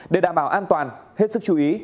để đảm bảo an toàn hết sức chú ý